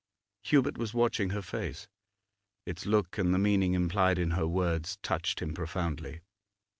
Hubert was watching her face; its look and the meaning implied in her words touched him profoundly.